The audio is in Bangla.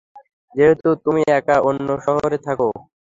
যেহেতু তুমি একা অন্য শহরে থাকো।